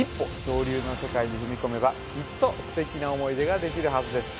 恐竜の世界に踏み込めばきっとステキな思い出ができるはずです